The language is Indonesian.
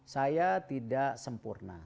saya tidak sempurna